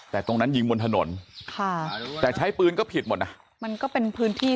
แต่ตรงนั้นยิงบนถนนค่ะแต่ใช้ปืนก็ผิดหมดนะมันก็เป็นพื้นที่